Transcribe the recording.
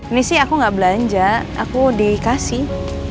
ini sih aku nggak belanja aku dikasih